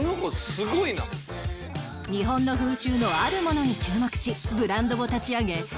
日本の風習のあるものに注目しブランドを立ち上げ